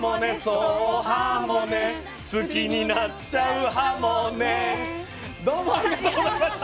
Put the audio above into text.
そうはもねすきになっちゃうはもねどうもありがとうございました。